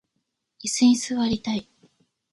いすに座りたい